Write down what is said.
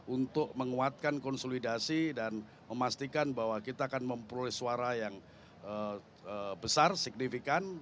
untuk menguatkan konsolidasi dan memastikan bahwa kita akan memperoleh suara yang besar signifikan